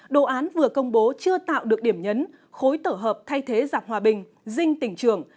đồ án vừa công bố chưa tạo được điểm nhấn khối tổ hợp thay thế giạc hòa bình dinh tỉnh trường